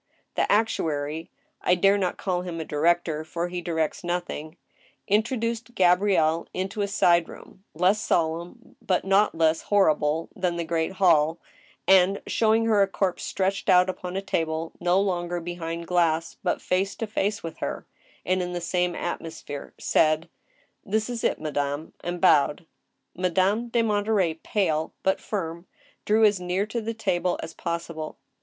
The actuary (I dare not call him a director, for he directs noth ing) introduced Gabrielle into a side room, less solemn, but not less horrible, than the great hall, and, showing her a corpse stretched out upon a table, no longer behind glass, but face to face with her, and in the same atmosphere, said :" This is it, madame," and bowed. Madame de Monterey, pale but firm, drew as near to the table as possible.